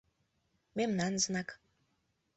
Мемнан знак.